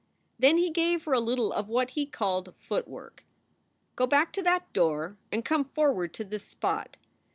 Then he gave her a little of what he called footwork. "Go back to that door and come forward to this spot.